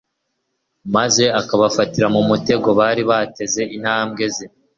maze akabafatira mu mutego bari bateze intambwe ze.